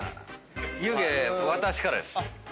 湯気私からです。